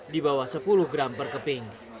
di bawah sepuluh gram per keping